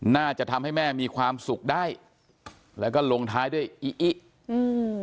น่าจะทำให้แม่มีความสุขได้แล้วก็ลงท้ายด้วยอิอิอืม